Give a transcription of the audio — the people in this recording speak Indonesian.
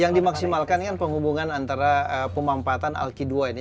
yang dimaksimalkan ini kan penghubungan antara pemampatan alki dua ini